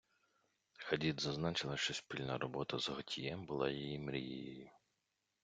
Хадід зазначила, що спільна робота з Готьє була її мрією.